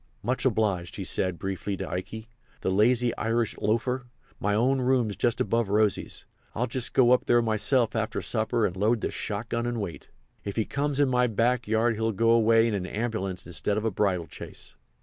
"Much obliged," he said, briefly, to Ikey. "The lazy Irish loafer! My own room's just above Rosy's. I'll just go up there myself after supper and load the shot gun and wait. If he comes in my back yard he'll go away in a ambulance instead of a bridal chaise."